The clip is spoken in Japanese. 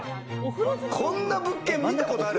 こんな物件見たことある？